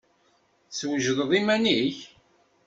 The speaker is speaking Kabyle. Teswejdeḍ iman-ik?